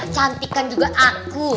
cantik kan juga aku